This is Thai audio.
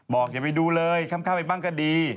อย่าไปดูเลยค่ำไปบ้างก็ดี